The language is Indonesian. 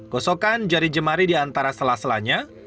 gosokkan jari jemari di antara selaselanya